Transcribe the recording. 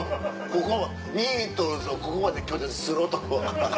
ビートルズをここまで拒絶する男は。